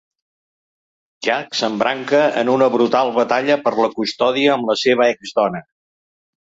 Jack s'embranca en una brutal batalla per la custòdia amb la seva exdona.